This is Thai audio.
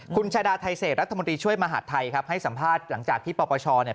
คุณชาดาไทเศษรัฐมนตรีช่วยมหาดไทยครับให้สัมภาษณ์หลังจากที่ปปชเนี่ย